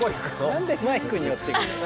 何でマイクに寄っていくの？